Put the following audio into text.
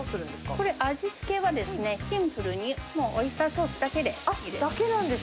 これ、味付けはシンプルにオイスターソースだけでいいです。